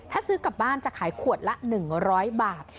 ถ้าซื้อกลับบ้านจะขายขวดละ๑๐๐บาท